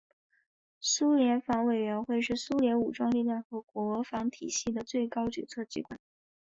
苏联国防委员会是苏联武装力量和国防体系的最高决策机关。